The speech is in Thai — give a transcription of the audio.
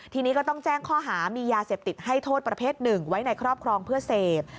ทีนี้ก็ต้องแจ้งข้อหามียาเสพติดให้โทษประเภทหนึ่งไว้ในครอบครองเพื่อเสพ